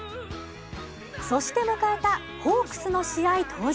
そして迎えたホークスの試合当日。